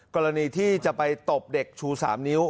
กรณีที่จะไปตบเด็กชู๓นิ้ว